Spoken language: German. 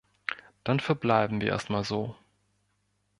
Dann verbleiben wir erst mal so.